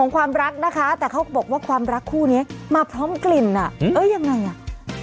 ความรักนะคะแต่เขาบอกว่าความรักคู่นี้มาพร้อมกลิ่นอ่ะเอ้ยยังไงอ่ะ